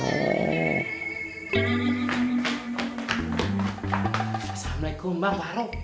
assalamualaikum bang faruk